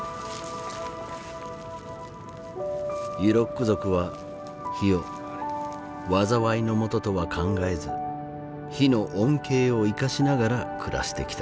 ユロック族は火を災いのもととは考えず火の恩恵を生かしながら暮らしてきた。